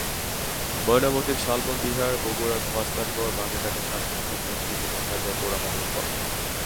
ময়নামতির শালবন বিহার, বগুড়ার মহাস্থানগড়, বাগেরহাটের ষাটগম্বুজ মসজিদে দেখা যায় পোড়ামাটির ফলক।